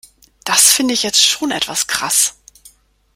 Das finde ich jetzt schon etwas krass.